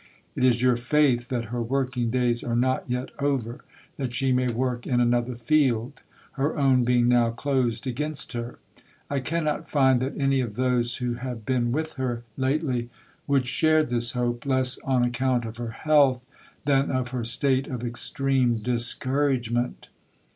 It is your faith that her working days are not yet over, that she may work in another field, her own being now closed against her. I cannot find that any of those who have been with her lately would share this hope, less on account of her health, than of her state of extreme discouragement."